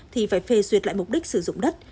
thì phải phê duyệt lại mục đích sử dụng đất